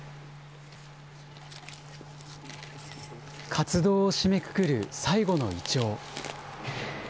活動を締めくくる最後のイチョウ。